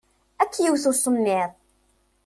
Ad k-yewwet usemmiḍ.